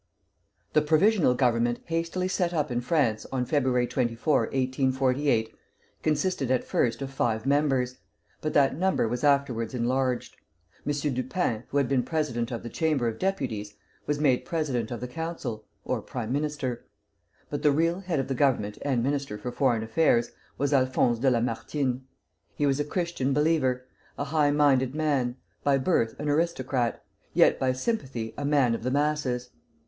"] The Provisional Government hastily set up in France on Feb. 24, 1848, consisted at first of five members; but that number was afterwards enlarged. M. Dupin, who had been President of the Chamber of Deputies, was made President of the Council (or prime minister); but the real head of the Government and Minister for Foreign Affairs was Alphonse de Lamartine. He was a Christian believer, a high minded man, by birth an aristocrat, yet by sympathy a man of the masses.